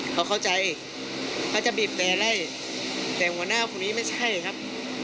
เขาเข้าใจเขาจะบีบแต่ไล่แต่หัวหน้าคนนี้ไม่ใช่ครับ